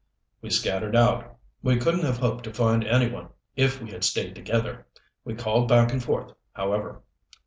"We scattered out. We couldn't have hoped to find any one if we had stayed together. We called back and forth, however."